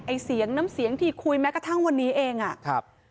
เสียงน้ำเสียงที่คุยแม้กระทั่งวันนี้เองอ่ะครับ